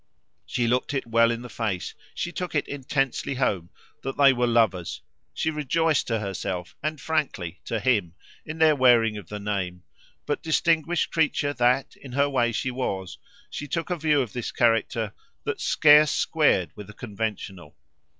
She looked it well in the face, she took it intensely home, that they were lovers; she rejoiced to herself and, frankly, to him, in their wearing of the name; but, distinguished creature that, in her way, she was, she took a view of this character that scarce squared with the conventional.